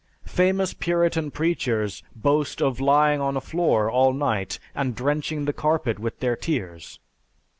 Famous Puritan preachers boast of lying on a floor all night and drenching the carpet with their tears.